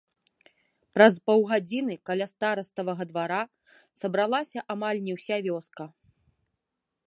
Праз паўгадзіны каля стараставага двара сабралася амаль не ўся вёска.